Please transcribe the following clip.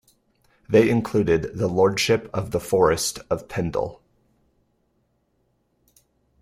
They included the Lordship of the Forest of Pendle.